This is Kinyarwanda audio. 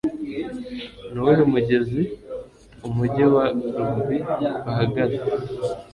Nuwuhe mugezi Umujyi wa Rugby uhagaze?